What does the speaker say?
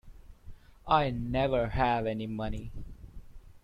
I never have any money.